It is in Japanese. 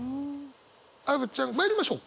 アヴちゃんまいりましょう！